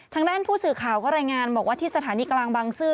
ทางด้านผู้สื่อข่าวก็รายงานบอกว่าที่สถานีกลางบางซื่อ